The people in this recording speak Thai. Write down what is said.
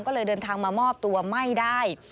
ก็เลยเดินทางมามอบตัวไม่ได้